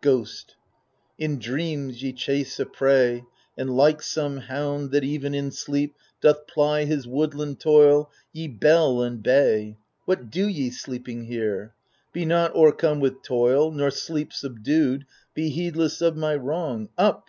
Ghost In dreams ye chase a prey, and like some hound. That even in sleep doth ply his woodland toil, Ye bell and bay. What do ye, sleeping here ? Be not overcome with toil, nor, sleep subdued. Be heedless of my wrong. Up